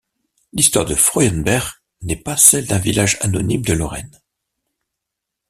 L'histoire de Frauenberg n'est pas celle d'un village anonyme de Lorraine.